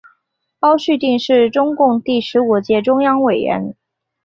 包叙定是中共第十五届中央委员。